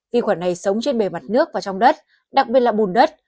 vi khuẩn này sống trên bề mặt nước và trong đất đặc biệt là bùn đất